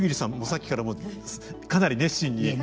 さっきからかなり熱心に。